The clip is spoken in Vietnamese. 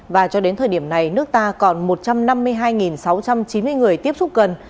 và cho đến thời điểm này nước ta còn một trăm năm mươi hai sáu trăm chín mươi người tiếp xúc gần